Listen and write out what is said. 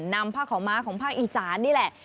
นำผ้าขาวม้าของผ้าอิจารณ์นี่แหละ